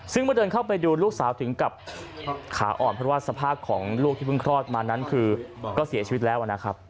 ซึ่งเมื่อเดินเข้าไปดูลูกสาวถึงกับขาอ่อนเพราะว่าสภาพของลูกที่เพิ่งคลอดมานั้นคือก็เสียชีวิตแล้วนะครับ